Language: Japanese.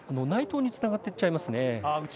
内倒につながっていっちゃいますね。